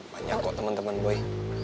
banyak kok temen temen boy